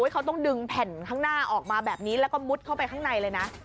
เขาต้องดึงแผ่นข้างหน้าออกมาแบบนี้แล้วก็มุดเข้าไปข้างในเลยนะ